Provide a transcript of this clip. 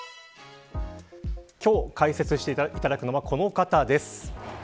今日解説していただくのはこの方です。